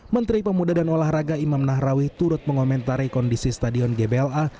menteri pemuda dan olahraga imam nahrawi turut mengomentari kondisi stadion gbla